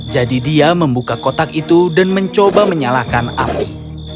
jadi dia membuka kotak itu dan mencoba menyalakan api